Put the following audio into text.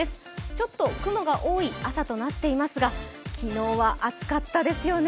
ちょっと雲が多い朝となっていますが昨日は暑かったですよね。